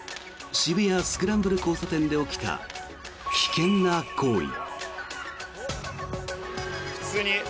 渋谷・スクランブル交差点で起きた危険な行為。